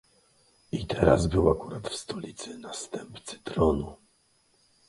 "I teraz był akurat w stolicy następcy tronu."